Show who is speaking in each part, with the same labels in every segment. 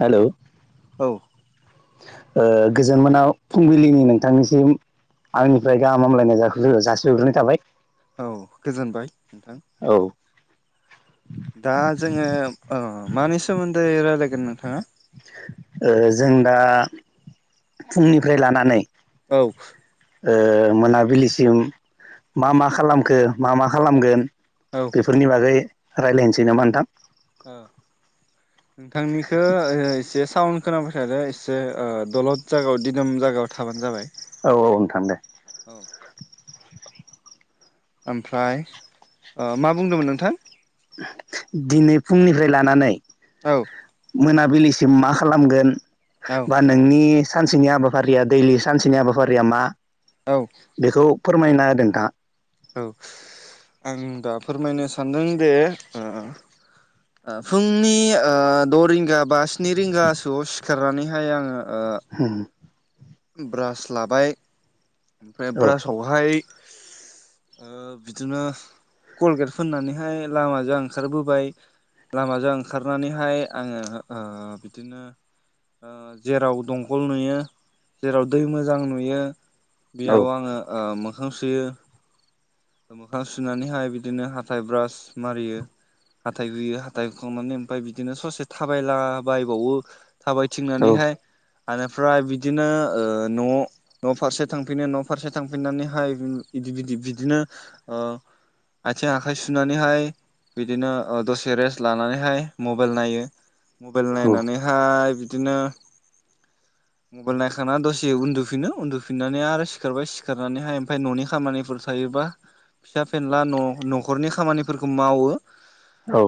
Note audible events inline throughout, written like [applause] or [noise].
Speaker 1: Hello
Speaker 2: औ
Speaker 1: ओ गोजोन मोना फुंबिलिनि नोंथांनिसिम आंनिफ्राय गाहामलायनाय जाखो जासिहरग्रोनाय थाबाय
Speaker 2: औ गोजोनबाय नोंथां
Speaker 1: औ ओ
Speaker 2: दा जोङो ओ मानि सोमोन दै रायलायगोन नोंथाङा
Speaker 1: ओ जों दा फुंनिफ्राय लानानै
Speaker 2: औ
Speaker 1: ओ मोनाबिलिसिम मा मा खालामखो मा मा खालामगोन
Speaker 2: औ
Speaker 1: बेफोरनि बागै रायलायनोसै नामा नोंथां
Speaker 2: ओ नोंथांनिखो ओ एसेस टाउन खोनाबाय थादो एसे ओ दलद जायगायाव दिदोम जायगायाव थाबानो जाबाय।
Speaker 1: औ औ नोंथां दे।
Speaker 2: औ ओमफ्राय ओ मा बुंदोंमोन नोंथां?
Speaker 1: दिनै फुंनिफ्राय लानानै
Speaker 2: औ
Speaker 1: मोनाबिलि सिम मा खालामगोन
Speaker 2: औ
Speaker 1: बा नोंनि सानसेनि हाबाफारिया दैलि सानसेनि हाबाफारिया मा
Speaker 2: औ
Speaker 1: बेखौ फोरमायना होदो नोंथाङा
Speaker 2: औ आं दा फोरमायनो सानदों दे ओ ओ फुंनि ओ द' रिंगा बा स्नि रिंगासोआव सिखारनानैहाय आङो ओ
Speaker 1: हुम
Speaker 2: ब्रास लाबाय ओमफ्राय
Speaker 1: औ
Speaker 2: ब्रासावहाय
Speaker 1: [inaudible]
Speaker 2: ओ बिदिनो कलगेट फोननानैहाय लामाजों ओंखारबोबाय लामाजों ओंखारनानैहाय आङो ओ बिदिनो ओ जेराव दंखल नुयो जेराव दै मोजां नुयो
Speaker 1: औ
Speaker 2: बेयाव आङो ओ मोखां सुयो मोखां सुनानैहाय बिदिनो हाथाय ब्रास मारियो हाथाइ हुयो हाथाइ हुखांनानै ओमफ्राय बिदिनो ससे थाबायला बायबावो थाबाय
Speaker 1: औ
Speaker 2: थिंनानैहाय ओनिफ्राय बिदिनो ओ न' न' फारसे थांफिनो न' फारसे थांफिननानैहाय बिदि बिदि बिदिनो ओ आथिं आखाय सुनानैहाय बिदिनो ओ दसे रेस्ट लानानैहाय मबाइल नायो मबाइल नायनानैहाय बिदिनो मबाइल नायखां थांना दसे उन्दुफिनो उन्दुफिननानै आरो सिखारबाय सिखारनानैहाय ओमफ्राय न'नि खामानिफोर थायोबा फिसा फेनला न' न'खरनि खामानिफोरखौ मावो
Speaker 1: औ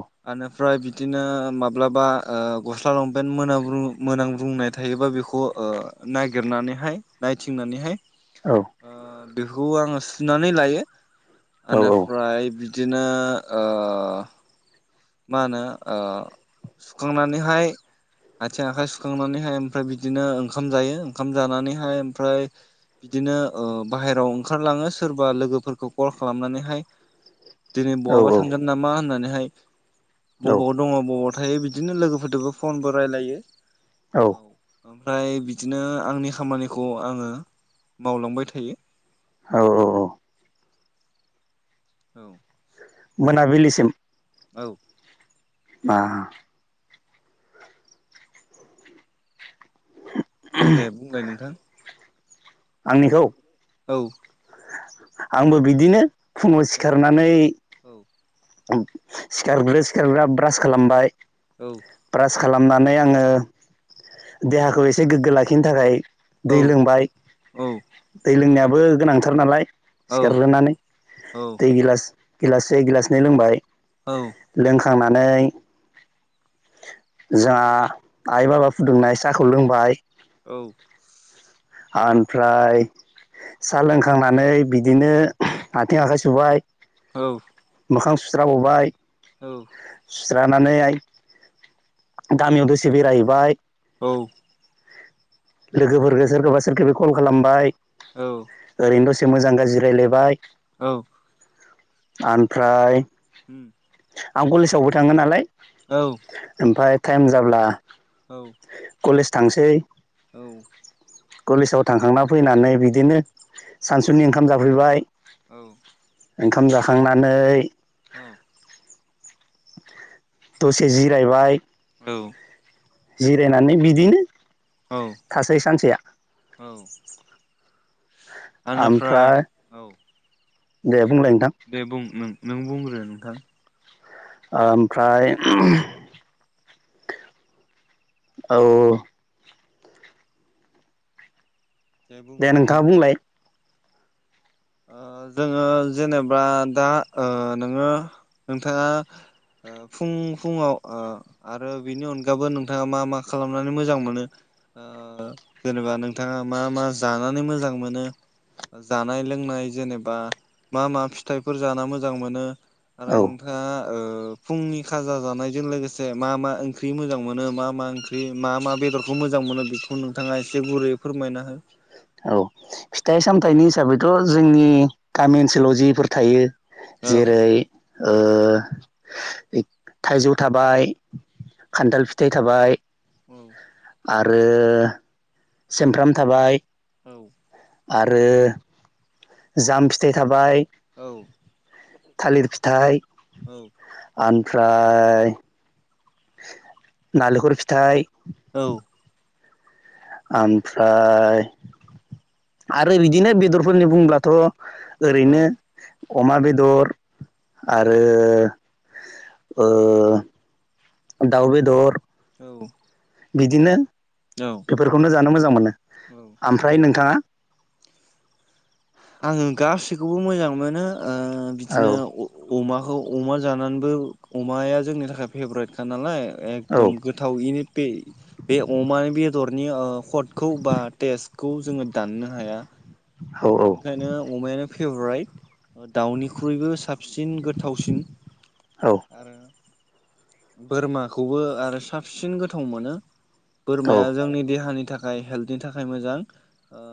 Speaker 2: ओमफ्राय बिदिनो माब्लाबा ओ गस्ला लंपेन्ट मोनामब्रुं मोनामब्रुंनाय थायोबा बेखौ ओ नागिरनानैहाय नायथिंनानैहाय
Speaker 1: औ
Speaker 2: ओ बेखौ आङो सु सुनानै लायो
Speaker 1: औ
Speaker 2: ओनिफ्राय बिदिनो ओ मा होनो ओ सुखांनानैहाय आथिं आखाइ सुखांनानैहाय ओमफ्राय बिदिनो ओंख ओंखाम जायो ओंखाम जानानैहाय ओमफ्राय बिदिनो ओ बाहेराव ओंखारलाङो सोरबा लोगोफोरखौ कल खालामनानैहाय दिनै
Speaker 1: औ
Speaker 2: बहाबा
Speaker 1: औ
Speaker 2: थांगोन नामा होननानै हाय
Speaker 1: औ
Speaker 2: बबाव दङ बबाव थायो बिदिनो लोगोफोरदोबो फनबो रायलायो
Speaker 1: औ
Speaker 2: ओमफ्राय बिदिनो आंनि खामानिखौ आङो मावलांबाय थायो
Speaker 1: औ औ औ
Speaker 2: [inaudible]
Speaker 1: मोनाबिलिसिम
Speaker 2: औ
Speaker 1: मा [inaudible]
Speaker 2: दे बुंलाय नोंथां
Speaker 1: आंनिखौ
Speaker 2: औ
Speaker 1: आंबो बिदिनो फुङाव
Speaker 2: औ
Speaker 1: सिखारनानै
Speaker 2: औ
Speaker 1: सिखारग्रो सिखारग्रा ब्रास खालामबाय
Speaker 2: औ
Speaker 1: ब्रास खालामनानै आङो देहाखौ एसे गोग्गो लाखिनो थाखाय
Speaker 2: औ
Speaker 1: दै लोंबाय
Speaker 2: औ
Speaker 1: दै लोंनायाबो गोनांथार नालाय।
Speaker 2: औ
Speaker 1: सिखारग्रोनानै दै गिलास-गिलास से गिलासनै लोंबाय
Speaker 2: औ
Speaker 1: खांनानै जोंहा आइ बाबा फुदुंनाय साहाखौ लोंबाय
Speaker 2: औ।
Speaker 1: आमफ्राय सा लोंखांनानै बिदिनो आथिं आखाइ सुबाय।
Speaker 2: औ
Speaker 1: मोखां सुस्राबोबाय‌
Speaker 2: औ।
Speaker 1: स्रानानै गामियाव दसे बेरायहैबाय।
Speaker 2: औ
Speaker 1: लोगोफोरखौ सोरखौबा-सोरखौबि कल खालामबाय ओरैनो दसे मोजां गाज्रि रायलायबाय
Speaker 2: औ
Speaker 1: आमफ्राय
Speaker 2: उम
Speaker 1: आं कलेजावबो थाङो नालाय
Speaker 2: औ।
Speaker 1: ओमफाय टाइम जाब्ला
Speaker 2: औ
Speaker 1: कलेज थांसै
Speaker 2: औ
Speaker 1: कलेजाव थांखांना फैनानै बिदिनो
Speaker 2: औ
Speaker 1: सानसुनि ओंखाम जाफैबाय।
Speaker 2: औ
Speaker 1: ओंखाम जाखांनानै दसे जिरायबाय
Speaker 2: औ।
Speaker 1: जिरायनानै बिदिनो
Speaker 2: औ
Speaker 1: थासै सानसेया।
Speaker 2: ओनोफ्राय
Speaker 1: ओमफ्राय
Speaker 2: औ
Speaker 1: दे बुंलाय नोंथां
Speaker 2: दे बुं नों-नों बुंग्रो नोंथां।
Speaker 1: ओमफ्राय औ औ
Speaker 2: बुं
Speaker 1: दे
Speaker 2: नोंथां
Speaker 1: नोंथाङा बुंलाय
Speaker 2: ओ जोङो जेनेबा दा ओ नोङो नोंथाङा अ फुं-फुंआव अ आरो बिनि अनगाबो नोंथाङा मा मा खालामनानै मोजां मोनो? ओ जेनेबा नोंथाङा मा मा जानानै मोजां मोनो जानाय लों नाय जेनेबा मा मा फिथाइफोर जाना मोजां मोनो आरो
Speaker 1: औ
Speaker 2: नोंथाङा। ओ। फुंनि खाजा जानायजों लोगोसे मा मा ओंख्रि मोजां मोनो मा मा ओंख्रि मा मा बेदरखौ मोजां मोनो बेखौ नोंथाङा एसे गुरैयै फोरमायना हो
Speaker 1: औ फिथाइ सामथाइनि हिसाबैथ' जोंनि गामि ओनसोलाव जिफोर थायो।
Speaker 2: औ
Speaker 1: जेरै- ओ। इत थाइजौ थाबाय खान्थाल फिथाइ थाबाय।
Speaker 2: औ
Speaker 1: आरो सेमफ्राम थाबाय।
Speaker 2: औ।
Speaker 1: आरो जाम फिथाइ थाबाय।
Speaker 2: औ
Speaker 1: थालिर फिथाइ
Speaker 2: औ
Speaker 1: आन फ्राय नालेखर फिथाइ
Speaker 2: औ
Speaker 1: ओमफ्राय आरो बिदिनो बेदरफोरनि बुंब्लाथ' ओरैनो अमा बेदर आरो ओ दाउ बेदर
Speaker 2: [inaudible]
Speaker 1: बिदिनो
Speaker 2: औ
Speaker 1: बेफोरखौनो जानो मोजां मोनो
Speaker 2: औ
Speaker 1: ओमफ्राय नोंथाङा?
Speaker 2: आङो गासैखौबो मोजां मोनो ओ
Speaker 1: औ
Speaker 2: बिदिनो अ अमाखौ अमा जानानैबो अमाया जोंनि थाखाय फेभरेटखा नालाय एकदम गोथाव इनो बे बे अमानो बे बेदरनि हटखौ बा टेस्खौ जोङो दाननो हाया ओंखायनो अमायानो फेभराइट। दाउनिख्रुइबो साबसिन गोथावसिन आरो बोरमाखौबो आरो साबसिन गोथाव मोनो
Speaker 1: औ
Speaker 2: बोरमाया जोंनि देहानि थाखाय थाखाय हेल्थनि थाखाय मोजां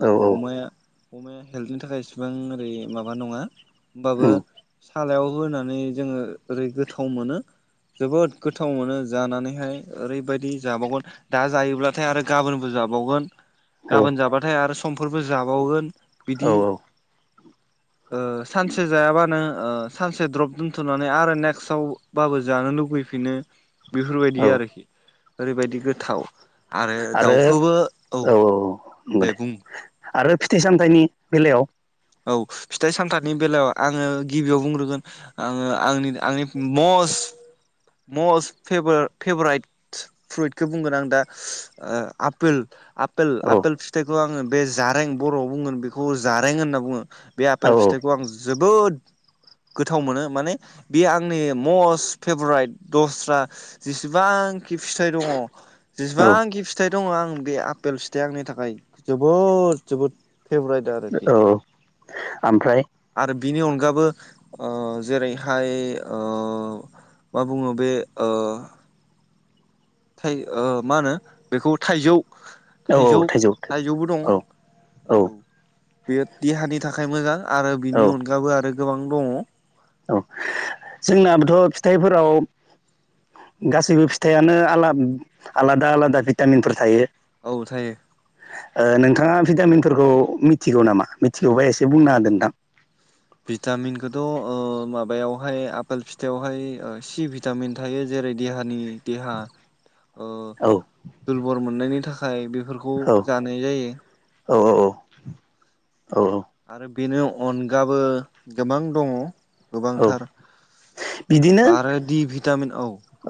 Speaker 1: औ
Speaker 2: अमाया अमाया हेल्थनि थाखाय इसेबां ओरै माबा नङा होमबाबो
Speaker 1: उम
Speaker 2: सालायाव होनानै जोङो ओरै गोथाव मोनो जोबोद गोथाव मोनो जानानैहाय ओरैबायदि जाबावगोन दा जायोब्लाथाय आरो गाबोनबो जाबानो
Speaker 1: औ
Speaker 2: गाबोन जाबाथाय आरो समफोरबो जाबावगोन
Speaker 1: औ
Speaker 2: बिदि
Speaker 1: औ
Speaker 2: सानसे जायाबानो सानसे द्रप दोनथ'नानै आरो नेक्सटावबाबो जानो लुबैयो। लुबैफिनो बेफोरबायदि
Speaker 1: औ
Speaker 2: आरोखि ओरैबायदि गोथाव आरो दाउखौबो औ दे बुं
Speaker 1: आरो फिथाइ सामथाइनि बेलायाव
Speaker 2: औ फिथाइ सामथाइनि बेलायाव आङो गिबियाव बुंग्रोगोन आङो आंनि आंनि मस
Speaker 1: [inaudible]
Speaker 2: मस्ट फेभराइट फ्रुइटखौ बुंगोन आं दा आपेल
Speaker 1: औ
Speaker 2: आपेल फिथाइखौ आङो बे जारें बर'आव बुंगोन बेखौ जारें होनना बुंङो। बे
Speaker 1: औ
Speaker 2: आफेल फिथाइखौ आं जोबोद गोथाव मोनो माने बे आंनि मस्ट फेभराइट दस्रा जेसेबां आंखि फिथाइ दङ
Speaker 1: औ
Speaker 2: जेसेबांंखि फिथाइ दङ आं बे आपेल फिथाइया आंनि थाखाय जोबोद जोबोद फेभरेट आरोखि
Speaker 1: औ ओमफ्राय
Speaker 2: आरो बिनि अनगाबो जेरैहाय मा बुङो बे मा होनो बेखौ थाइजौ
Speaker 1: औ औ
Speaker 2: थाइजौ थाइजौबो दं
Speaker 1: औ औ
Speaker 2: बेयो देहानि थाखाय मोजां आरो
Speaker 1: औ
Speaker 2: बिनि अनगाबो आरो गोबां दङ
Speaker 1: औ जोंनाबोथ' फिथाइफोराव गासैबो फिथाइयानो आ आलादा आलादा भिटामिनफोर थायो।
Speaker 2: औ थायो
Speaker 1: नोंथाङा भिटामिनफोरखौ मिथिगौ नामा मिथिगौबा एसे बुंना होादोंदां
Speaker 2: भिटामिनखौथ' माबायावहाय आपेल फिथाइावहाय सि भिटामिन थायो जेर जेरै देहानि देहा
Speaker 1: औ
Speaker 2: दुरबल मोननायनि थाखाय बे बेफोरखौ
Speaker 1: औ
Speaker 2: जानाय जायो।
Speaker 1: औ औ
Speaker 2: आरो बेनि अनगाबो गोबां दङ
Speaker 1: औ
Speaker 2: गोबांथार
Speaker 1: बिदिनो
Speaker 2: आरो दि भिटामिन औ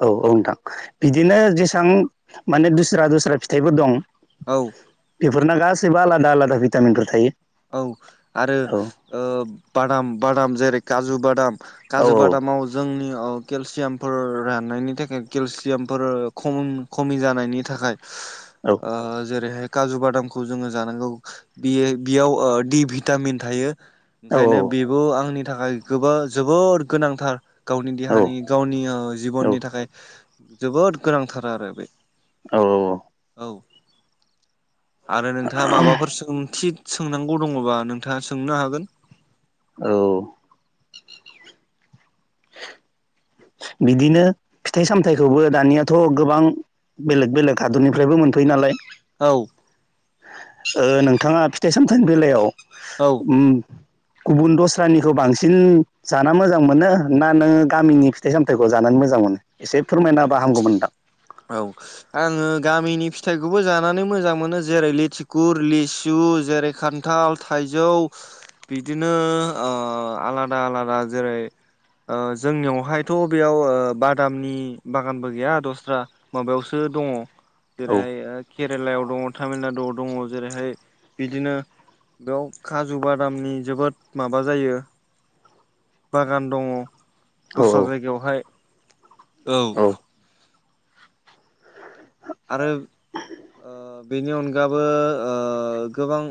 Speaker 1: औ नोंथां बिदिनो जेसबां माने दुस्रा दस्रा फिथाइफोर दं
Speaker 2: औ
Speaker 1: बेफोरना गासैबो आलादा आलादा भिटामिनफोर थायो।
Speaker 2: औ आरो
Speaker 1: औ
Speaker 2: ओ बादाम बादाम जेरै काजु बादाम काजु
Speaker 1: औ
Speaker 2: बादामाव जोंनि औ केलसियामफोर राननायनि थाखाय केलसियामफोर खम खमि जानायनि थाखाय
Speaker 1: औ
Speaker 2: ओ जेरैहाय काजु बादामखौ जोङो जानांगौ बियो बियाव दि भिटामिन थायो
Speaker 1: औ
Speaker 2: ओंखायनो बेबो आंनि थाखाय गोबो जोबोर गोनांथार गावनि
Speaker 1: औ
Speaker 2: देहानि गावनि ओ
Speaker 1: औ
Speaker 2: जिबननि थाखाय जोबोद गोनांथार आरो बे
Speaker 1: औ औ औ
Speaker 2: औ आरो नोंथाङा माबाफोर सोंथि सोंनांगौ दङ'बा नोंथाङा सोंनो हागोन।
Speaker 1: औ बिदिनो फिथाइ सामथाइखौबो दानियाथ' गोबां बेलेग बेलेग हाद'रनिफ्रायबो मोनफैयो नालाय।
Speaker 2: औ।
Speaker 1: ओ नोंथाङा फिथाइ सामथाइनि बेलायाव
Speaker 2: औ
Speaker 1: ओम गुबुन दस्रानिखौ बांसिन जाना मोजां मोनो ना नोङो गामिनि फिथाइ सामथायाइखौ जानानै मो मोजां मोनो? एसे फोरमायना बा हामगौमोनथां।
Speaker 2: औ आङो गामिनि फिथाइखौबो जानानै मोजां मोनो जेरै लिथिखुर, लिसु जेरै खान्थाल, थाइजौ बिदिनो ओ आलादा आलादा जे रै ओ जोंनियावहायथ' बेयाव ओ बादामनि बागानबो गैया दस्रा माबायावसो दङ'
Speaker 1: नोंथां औ
Speaker 2: जेरैहाय ओ केट केरेलायाव दङ', तामिलनाडुआव दङ' जेरैहाय बिदिनो बेयाव खाजुब बा दामनि जोबोद माबा जायो, बागान दङ दस्रा
Speaker 1: औ
Speaker 2: जायगायावहाय। औ। आरो ओ बेनि अनगाबो ओ गोबां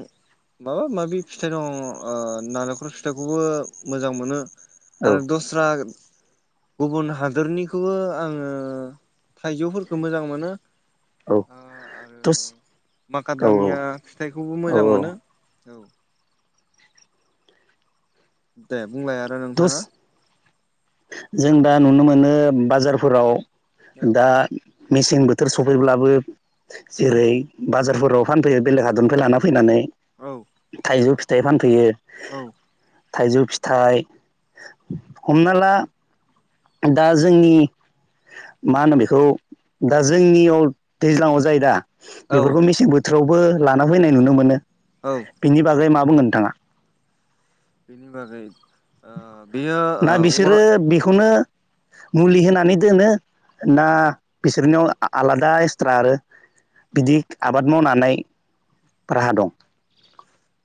Speaker 2: माबा माबि फिथाइ दं ओ नालेंखर फिथाइखौबो मोजां मोनो
Speaker 1: औ
Speaker 2: आरो दस्रा गुबुन हादरनिखौबो आङो थाइजौफोरखौ मोजां मोनो।
Speaker 1: औ दस
Speaker 2: माखा
Speaker 1: औ
Speaker 2: दामिया फिथाइखौबो
Speaker 1: औ
Speaker 2: मोजां मोनो औ दे। बुंलाय आरो
Speaker 1: दस
Speaker 2: नोंथाङा
Speaker 1: जों दा नुनो मोनो बाजारफोराव
Speaker 2: औ
Speaker 1: दा मेसें बोथोर सफैब्लाबो। जेरै बाजारफोराव फानफैयो बेलेग हादरनिफ्राय लाना फैनानै
Speaker 2: औ
Speaker 1: थाइजौ फिथाइ फानफैयो।
Speaker 2: औ।
Speaker 1: थाइजौ फिथाइ हमना ला दा जोंनि मा होनो बेखौ दा जोंनियाव दैज्लाङाव जाय दा?
Speaker 2: औ
Speaker 1: बेफोरखौ मेसें बोथोरावबो लाना फैनाय नुनो मोनो
Speaker 2: औ
Speaker 1: बेनि बागै मा बुंनो नोंथाङा?
Speaker 2: बेनि बागै ओ बेयो
Speaker 1: ना
Speaker 2: ओ अरा
Speaker 1: बिसोरो बेखौनो मुलि होनानै दोनो, ना बिसोरनियाव आलादा एक्सट्रा आरो बिदि आबाद मावनानै राहा दं?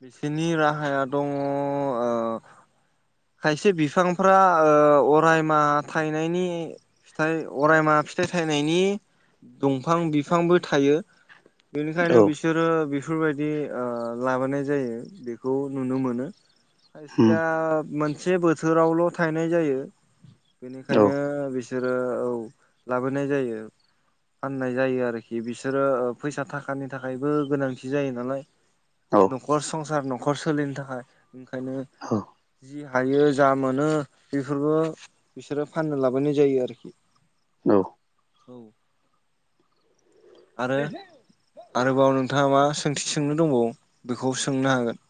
Speaker 2: बिसोरनि राहाया दङ ओ खायसे बिफांफ्रा ओ अरायमा थायनायनि फिथाइ अरायमा फिथाइ थाइनायनि दंफां बिफांबो थायो। बेनिखायनो
Speaker 1: औ
Speaker 2: बिसोरो बि बेफोरबायदि ओ लाबोनाय जायो बेखौ नुनो मोनो।
Speaker 1: उम
Speaker 2: खायसेया मोनसे बोथोरावल' थायनाय जायो
Speaker 1: औ
Speaker 2: बेनिखायनो बि बिसोरो औ लाबोनाय जायो फाननाय जायो आरोखि बिसोरो ओ फैसा थाखानि थाखायबो गोनांथि जायो नालाय।
Speaker 1: औ
Speaker 2: न'खर संसार न'खर सोलिनो थाखाय ओंखायनो
Speaker 1: औ
Speaker 2: जि हायो जा मोनो बेफोरबो बिसोरो फाननो लाबोनाय जायो आरोखि।
Speaker 1: औ।
Speaker 2: औ। आरो आरोबाव नोंथाङा मा सोंथि सोंनो दंबावो बेखौ सोंनो हागोन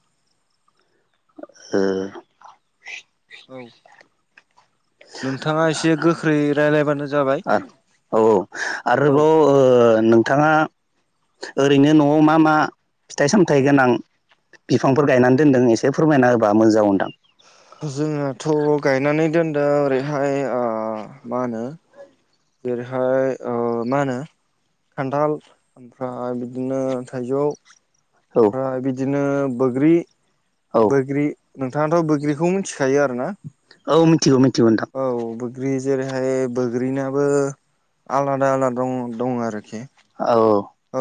Speaker 1: ओम
Speaker 2: औ नोंथाङा एसे गोख्रै रायलायबानो जाबाय
Speaker 1: आर औ औ
Speaker 2: औ
Speaker 1: आरोबाव ओ नोंथाङा ओरैनो न'आव मा मा फिथाइ सामथाइ गोनां बिफांफोर गायनानै दोनदों एसे फोरमायना होबा मोजांमोनदां?
Speaker 2: जोंनाथ' गायनानै दोनदों ओरैहाय ओ मा होनो बेेरहाय ओ मा होनो खान्थाल, ओमफ्राय बिदिनो थाइजौ,
Speaker 1: औ
Speaker 2: ओमफ्राय बिदिनो बोग्रि
Speaker 1: औ
Speaker 2: बोग्रि नोंथाङाथ' बोग्रिखौ मिथि खायो आरोना
Speaker 1: औ मिथिगौ मि
Speaker 2: औ बोग्रि जेरैहाय बोग्रिनाबो आलादा आलादा दं आरोखि
Speaker 1: औ।
Speaker 2: औ